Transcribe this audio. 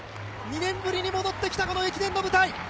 ２年ぶりに戻ってきた駅伝の舞台。